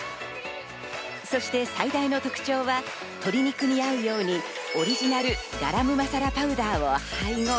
そして最大の特徴は鶏肉に合うように、オリジナルガラムマサラパウダーを配合。